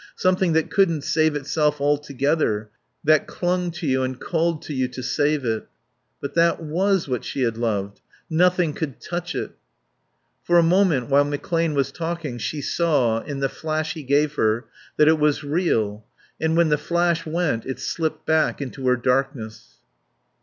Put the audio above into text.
Something that couldn't save itself altogether that clung to you and called to you to save it. But that was what she had loved. Nothing could touch it. For a moment while McClane was talking she saw, in the flash he gave her, that it was real. And when the flash went it slipped back into her darkness.